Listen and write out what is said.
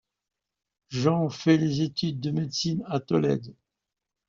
Jean fait des études de médecine à Tolède.